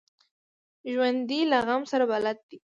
ژوندي له غم سره بلد دي